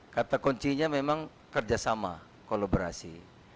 kata kuncinya memang kerjasama kolaborasi